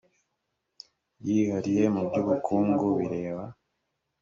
yihariye mu by ubukungu bireba